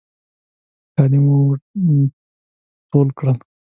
کالي مو ټول کړل.